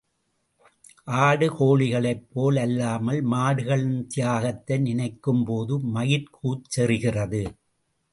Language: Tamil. ஆடு கோழிகளைப் போல் அல்லாமல், மாடுகளின் தியாகத்தை நினைக்கும்போது, மயிர்க் கூச்செறிகிறது.